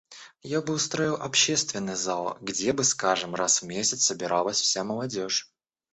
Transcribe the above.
Я бы устроил общественный зал, где бы, скажем, раз в месяц собиралась вся молодежь.